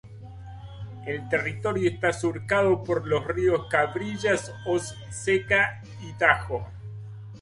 El territorio está surcado por los ríos Cabrillas, Hoz Seca y Tajo.